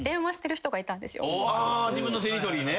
自分のテリトリーね。